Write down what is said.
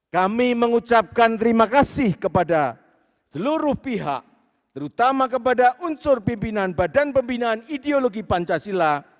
kami mengucapkan terima kasih kepada seluruh pihak terutama kepada unsur pimpinan badan pembinaan ideologi pancasila